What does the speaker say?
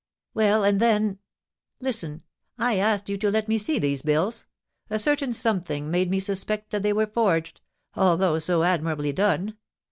'" "Well, and then " "Listen: I asked you to let me see these bills; a certain something made me suspect that they were forged, although so admirably done.